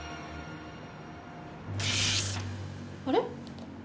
あれ？